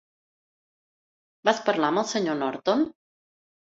Vas parlar amb el Sr. Norton?